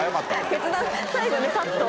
決断最後ねサッと。